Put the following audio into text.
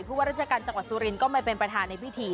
เพราะว่าราชการจังหวัดสุรินทร์ก็มาเป็นประธานในพิธี